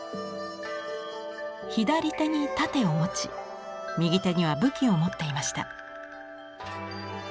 左手に盾を持ち右手には武器を持っていました。